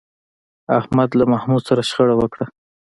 احمد له محمود سره شخړه وکړه